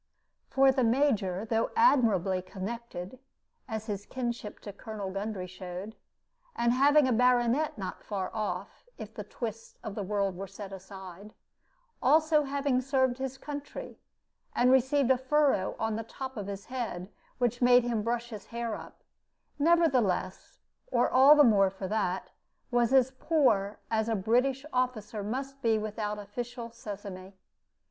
For the Major, though admirably connected (as his kinship to Colonel Gundry showed), and having a baronet not far off (if the twists of the world were set aside), also having served his country, and received a furrow on the top of his head, which made him brush his hair up, nevertheless, or all the more for that, was as poor as a British officer must be without official sesame.